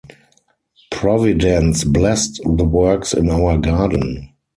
Providence blessed the works in our garden.